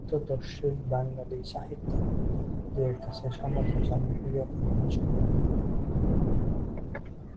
বর্তমানে পাশ্চাত্য সাহিত্যাদর্শই বাঙালি সাহিত্যিকদের কাছে সমধিক জনপ্রিয় ও অনুসরণীয়।